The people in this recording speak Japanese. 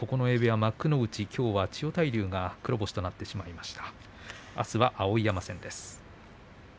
九重部屋、幕内きょうは千代大龍が黒星となってしまいました。